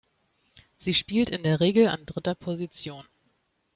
Sie spielt in der Regel an dritter Position.